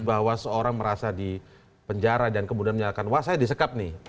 bahwa seorang merasa di penjara dan kemudian menyalakan wah saya disekap nih